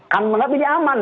kami melihat ini aman